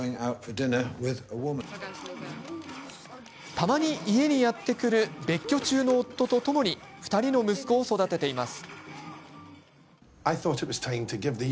たまに家にやって来る別居中の夫とともに２人の息子を育てています。